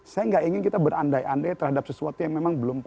saya nggak ingin kita berandai andai terhadap sesuatu yang memang belum pasti